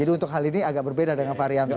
jadi untuk hal ini agak berbeda dengan fahri amir